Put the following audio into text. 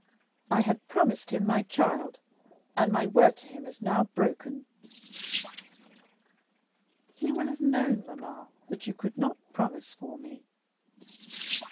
I had promised him my child, and my word to him is now broken." "He will have known, mamma, that you could not promise for me.